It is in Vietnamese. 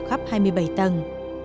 cho các gia đình